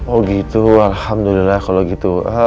oh gitu alhamdulillah kalau gitu